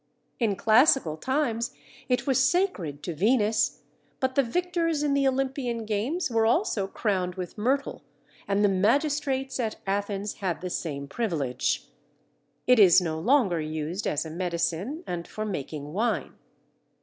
In classical times it was sacred to Venus, but the victors in the Olympian games were also crowned with myrtle, and the magistrates at Athens had the same privilege. It is no longer used as a medicine and for making wine.